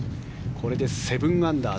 これで７アンダー。